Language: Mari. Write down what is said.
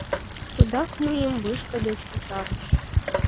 Тудак мыйым вышка деч утарыш.